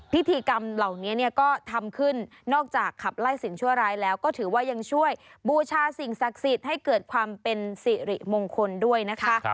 พิธีกรรมเหล่านี้เนี่ยก็ทำขึ้นนอกจากขับไล่สิ่งชั่วร้ายแล้วก็ถือว่ายังช่วยบูชาสิ่งศักดิ์สิทธิ์ให้เกิดความเป็นสิริมงคลด้วยนะคะ